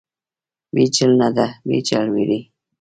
بیجل نه ده، بیجل وړي.